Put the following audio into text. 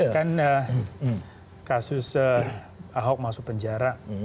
kan kasus ahok masuk penjara